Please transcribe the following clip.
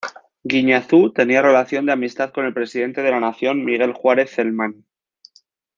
Guiñazú tenía relación de amistad con el Presidente de la Nación Miguel Juárez Celman.